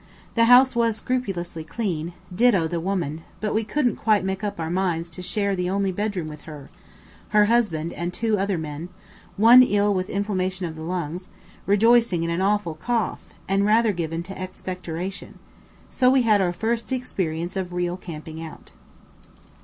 The house was scrupulously clean, ditto the woman, but we couldn't quite make up our minds to share the only bedroom with her, her husband and two other men, one ill with inflammation of the lungs, rejoicing in an awful cough, and rather given to expectoration; so we had our first experience of real camping out.